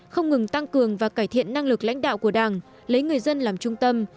không ngừng tăng cường và cải thiện năng lực lãnh đạo của đảng lấy người dân làm trung tâm